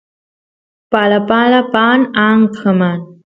palapala paan anqman